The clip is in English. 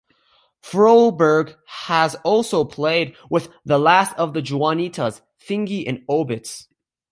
Froberg has also played with the Last of the Juanitas, Thingy and Obits.